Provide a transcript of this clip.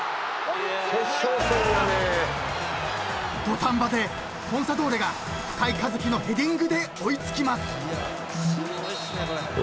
［土壇場でコンサドーレが深井一希のヘディングで追い付きます］